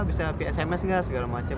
bisa p sms enggak segala macem